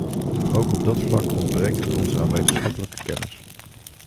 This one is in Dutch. Ook op dat vlak ontbreekt het ons aan wetenschappelijke kennis.